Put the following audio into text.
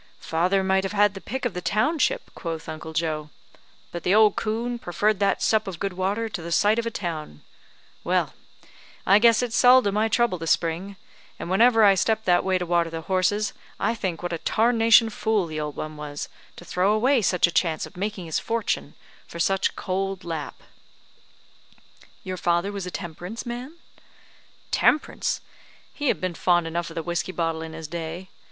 "Father might have had the pick of the township," quoth Uncle Joe; "but the old coon preferred that sup of good water to the site of a town. Well, I guess it's seldom I trouble the spring; and whenever I step that way to water the horses, I think what a tarnation fool the old one was, to throw away such a chance of making his fortune, for such cold lap." "Your father was a temperance man?" "Temperance! He had been fond enough of the whiskey bottle in his day.